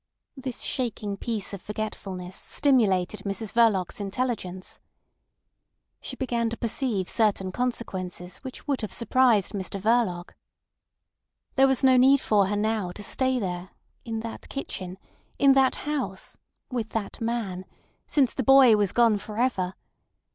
This shaking piece of forgetfulness stimulated Mrs Verloc's intelligence. She began to perceive certain consequences which would have surprised Mr Verloc. There was no need for her now to stay there, in that kitchen, in that house, with that man—since the boy was gone for ever.